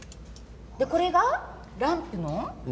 これがランプの。